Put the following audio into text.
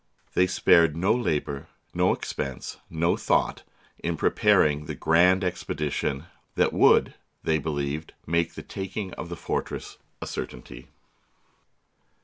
They spared no labour, no expense, no thought, in preparing the grand expedition that THE BOOK OF FAMOUS SIEGES would, they believed, make the taking of the for tress a certainty.